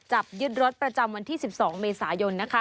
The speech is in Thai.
จับยึดรถประจำวันที่๑๒เมษายนนะคะ